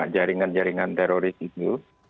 jaringan jaringan teroris itu